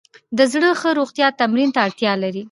د زړه ښه روغتیا تمرین ته اړتیا لري.